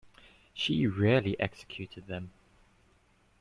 She really executed them.